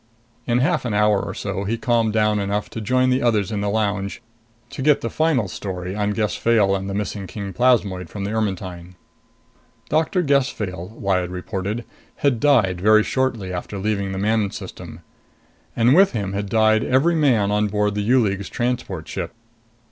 In half an hour or so, he calmed down enough to join the others in the lounge, to get the final story on Gess Fayle and the missing king plasmoid from the Ermetyne. Doctor Gess Fayle, Lyad reported, had died very shortly after leaving the Manon System. And with him had died every man on board the U League's transport ship.